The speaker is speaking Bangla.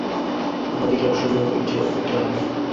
আমরা দেখিলাম শূন্য হইতে কিছুর উৎপত্তি হয় না।